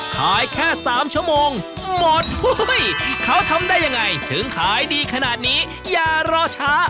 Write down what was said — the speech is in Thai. แค่๓ชั่วโมงหมดเขาทำได้ยังไงถึงขายดีขนาดนี้อย่ารอช้า